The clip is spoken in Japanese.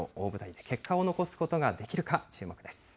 結果を残すことができるか、注目です。